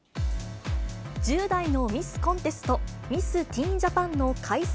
１０代のミスコンテスト、ミス・ティーン・ジャパンの開催